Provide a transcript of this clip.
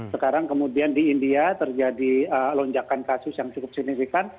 sekarang kemudian di india terjadi lonjakan kasus yang cukup signifikan